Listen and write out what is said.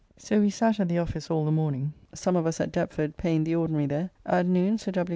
So we sat at the office all the morning, some of us at Deptford paying the ordinary there; at noon Sir W.